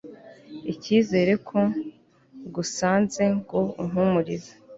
icyizere, ko ngusanze ngo umpumurize